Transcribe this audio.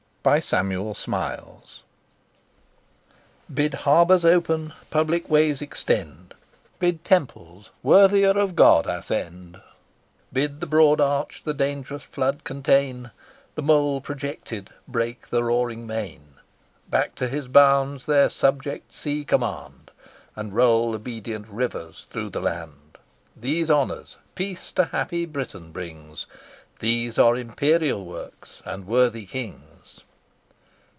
BY SAMUEL SMILES, AUTHOR OF 'CHARACTER,' 'SELF HELP,' ETC. "Bid Harbours open, Public Ways extend; Bid Temples, worthier of God, ascend; Bid the broad Arch the dang'rous flood contain, The Mole projected break the roaring main, Back to his bounds their subject sea command, And roll obedient rivers through the land. These honours, Peace to happy Britain brings; These are imperial works, and worthy kings."